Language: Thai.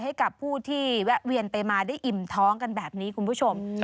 ให้กับผู้ที่แวะเวียนไปมาได้อิ่มท้องกันแบบนี้คุณผู้ชม